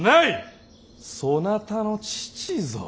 そなたの父ぞ。